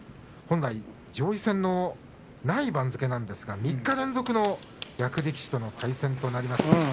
本来上位戦のない番付なんですが３日連続の役力士との対戦となりました。